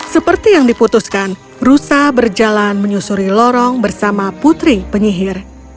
seperti yang diputuskan rusa berjalan menyusuri lorong bersama putri penyihir